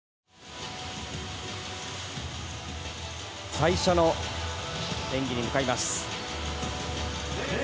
最初の演技に向かいます。